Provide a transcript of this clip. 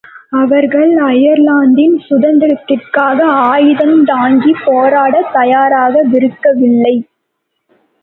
அவர்கள் அயர்லாந்தின் சுதந்திரத்திற்காக ஆயுத்ந் தாங்கிப் போராடத் தயாராகவிருக்கவில்லை.